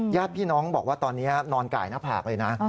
ญาติพี่น้องบอกว่าตอนนี้นอนไก่หน้าผากเลยนะ